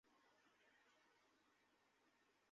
কিন্তু তুমি আমাকে বাঁচিয়ে রেখেছ।